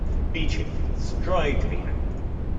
Be cheerful. Strive to be happy.